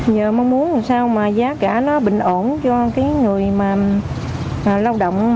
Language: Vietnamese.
nhờ mong muốn làm sao mà giá cả nó bình ổn cho cái người mà lao động